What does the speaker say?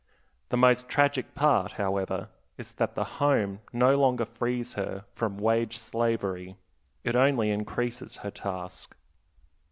The most tragic part, however, is that the home no longer frees her from wage slavery; it only increases her task.